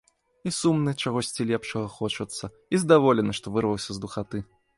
І сумна, чагосьці лепшага хочацца, і здаволены, што вырваўся з духаты.